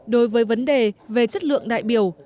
đối với vấn đề về chất lượng đại biểu